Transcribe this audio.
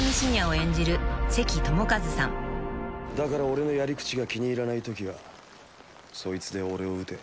「だから俺のやり口が気に入らないときはそいつで俺を撃て」